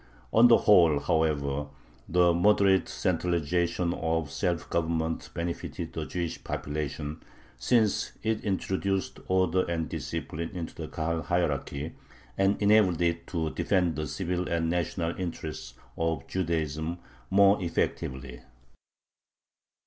On the whole, however, the moderate centralization of self government benefited the Jewish population, since it introduced order and discipline into the Kahal hierarchy, and enabled it to defend the civil and national interests of Judaism more effectively.